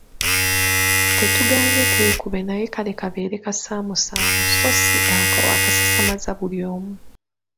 Tetugaanye keekube naye kale kabe kasaamusaamu so si ako akasasamaza buli omu.